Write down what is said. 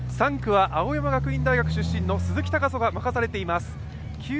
３区は青山学院大学出身の鈴木塁人が任されています。